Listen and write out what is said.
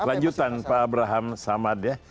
lanjutan pak abraham samad ya